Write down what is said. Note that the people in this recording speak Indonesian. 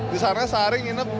jadi di sana sehari nginep